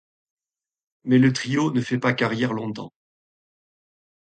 Mais le trio ne fait pas carrière longtemps.